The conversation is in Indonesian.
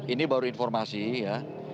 ini baru informasi ya